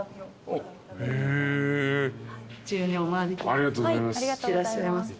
ありがとうございます。